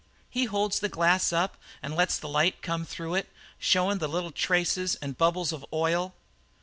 He holds the glass up and lets the light come through it, showin' the little traces and bubbles of oil.